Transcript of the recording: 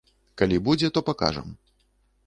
Калі будзе, то пакажам.